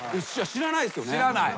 知らない。